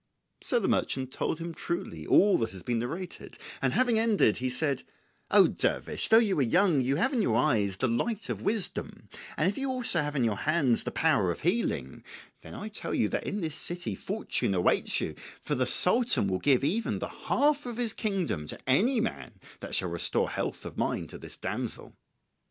So the merchant told him truly all that has here been narrated; and having ended he said, "O dervish, though you are young, you have in your eyes the light of wisdom; and if you have also in your hands the power of healing, then I tell you that in this city fortune awaits you, for the Sultan will give even the half of his kingdom to any man that shall restore health of mind to this damsel."